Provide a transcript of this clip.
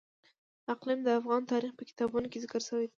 اقلیم د افغان تاریخ په کتابونو کې ذکر شوی دي.